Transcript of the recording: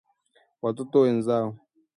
Watoto wenzao